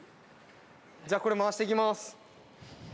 じゃあこれ回していきます。